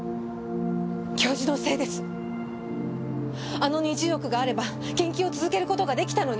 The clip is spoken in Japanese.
あの２０億があれば研究を続ける事が出来たのに。